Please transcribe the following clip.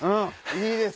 いいです！